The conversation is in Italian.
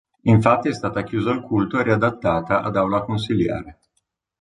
Infatti è stata chiusa al culto e riadattata ad Aula consiliare.